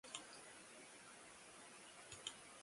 ガリバーは十六年と七ヵ月の間、不思議な国々を旅行して来ました。